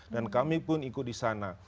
dan kami pun ikut di sana